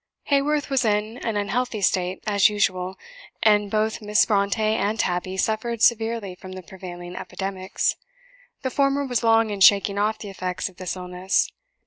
Haworth was in an unhealthy state, as usual; and both Miss Brontë and Tabby suffered severely from the prevailing epidemics. The former was long in shaking off the effects of this illness.